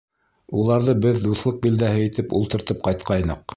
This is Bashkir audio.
Уларҙы беҙ дуҫлыҡ билдәһе итеп ултыртып ҡайтҡайныҡ.